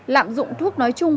lạng dụng thuốc nói chung